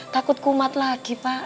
takut kumat lagi pak